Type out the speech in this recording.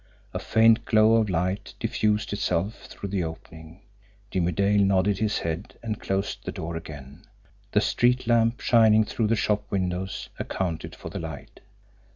A faint glow of light diffused itself through the opening. Jimmie Dale nodded his head and closed the door again. The street lamp, shining through the shop windows, accounted for the light.